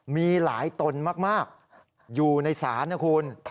มีหลายตนมากอยู่ในศาลนะคุณ